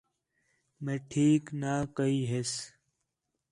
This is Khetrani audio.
میٹھیک نہ کَئی ہِس